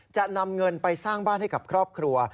จะนำเงินไปสร้างบ้านให้กับครอบครัว